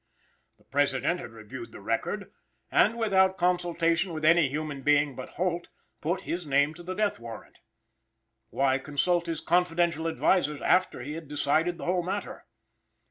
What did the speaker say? The President had reviewed the record, and, without consultation with any human being but Holt, put his name to the death warrant. Why consult his confidential advisers after he had decided the whole matter?